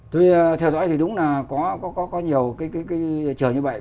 tôi theo dõi thì đúng là có nhiều cái trường như vậy